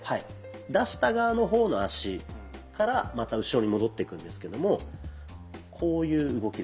出した側の方の足からまた後ろに戻っていくんですけどもこういう動きですね。